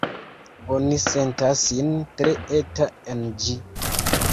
Oni sentas sin tre eta en ĝi.